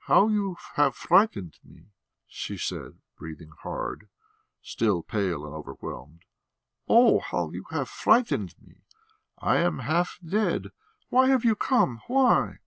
"How you have frightened me!" she said, breathing hard, still pale and overwhelmed. "Oh, how you have frightened me! I am half dead. Why have you come? Why?"